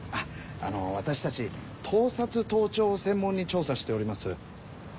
あの私たち盗撮盗聴を専門に調査しております